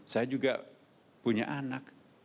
saya juga punya anak